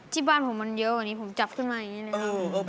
ที่บ้านผมมันเยอะกว่านี้ผมจับขึ้นมาอย่างนี้นะครับ